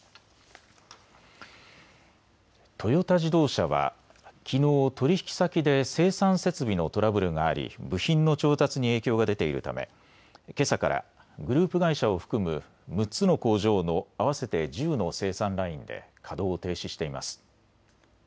トヨタ自動車はきのう、取引先で生産設備のトラブルがあり部品の調達に影響が出ているためけさからグループ会社を含む６つの工場の合わせて１０の生産ラインで稼働を停止しています。